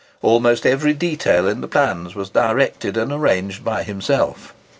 Almost every detail in the plans was directed and arranged by himself.